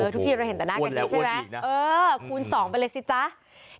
ทุกทีเราเห็นแต่หน้ากันนี้ใช่ไหมเออคูณสองไปเลยสิจ๊ะคูณแล้วอ้วนอีกนะ